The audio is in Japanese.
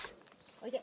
おいで。